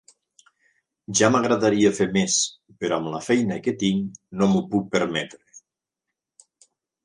Ja m'agradaria fer més, però amb la feina que tinc no m'ho puc permetre.